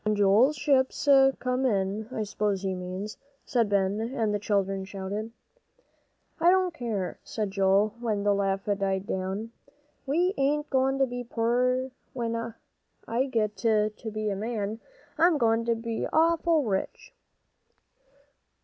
"When Joel's ships come in, I s'pose he means," said Ben, and the children shouted. "I don't care," said Joel, when the laugh died down, "we ain't goin' to be poor when I git to be a man. I'm goin' to be awful rich."